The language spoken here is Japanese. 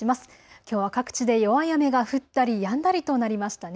きょうは各地で弱い雨が降ったりやんだりとなりましたね。